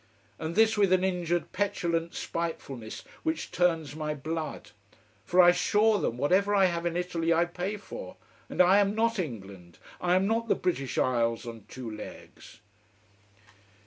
And this with an injured petulant spitefulness which turns my blood. For I assure them, whatever I have in Italy I pay for: and I am not England. I am not the British Isles on two legs.